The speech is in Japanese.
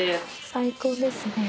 最高ですね。